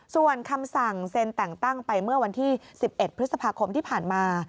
ส่วนคำสั่งเซ็นแต่งตั้งไปเมื่อวันที่๑๑พฤษภาคมที่ผ่านมา